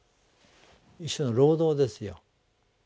一種の労働ですよ。